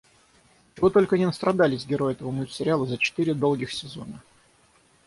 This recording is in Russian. И чего только не настрадались герои этого мультсериала за четыре долгих сезона!